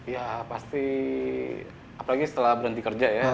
ya pasti apalagi setelah berhenti kerja ya